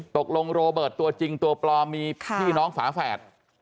โรเบิร์ตตัวจริงตัวปลอมมีพี่น้องฝาแฝด